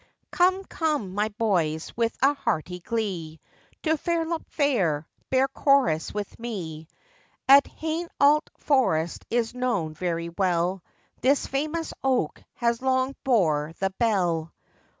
] COME, come, my boys, with a hearty glee, To Fairlop fair, bear chorus with me; At Hainault forest is known very well, This famous oak has long bore the bell.